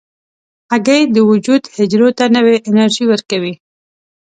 هګۍ د وجود حجرو ته نوې انرژي ورکوي.